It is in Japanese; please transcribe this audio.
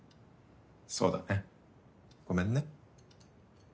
そうだねごめんね。